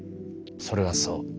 それはそう。